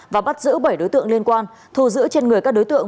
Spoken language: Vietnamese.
và bắt giữ bảy đối tượng liên quan thu giữ trên người các đối tượng